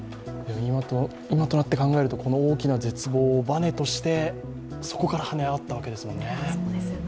今となって考えると、この大きな絶望をバネとしてそこから跳ね上がったわけですもんね。